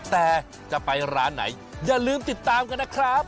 แต่จะไปร้านไหนอย่าลืมติดตามกันนะครับ